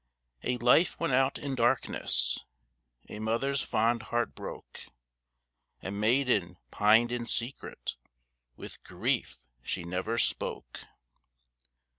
A life went out in darkness, A mother's fond heart broke, A maiden pined in secret With grief she never spoke.